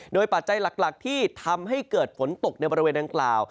โดยปัจจัยหลักที่ทำให้เกิดฝนตกในบริเวณดังกล่าว